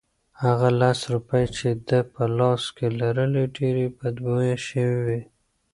هغه لس روپۍ چې ده په لاس کې لرلې ډېرې بدبویه شوې وې.